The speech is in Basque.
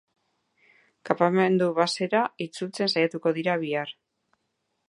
Kanpamendu basera itzultzen saiatuko dira bihar.